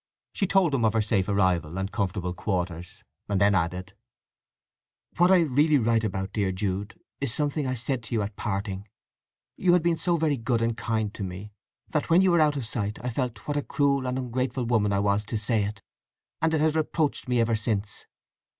She told him of her safe arrival and comfortable quarters, and then added:— What I really write about, dear Jude, is something I said to you at parting. You had been so very good and kind to me that when you were out of sight I felt what a cruel and ungrateful woman I was to say it, and it has reproached me ever since.